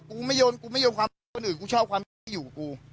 กูไม่โยนกูไม่โยนความคนอื่นกูชอบความอยู่กับกู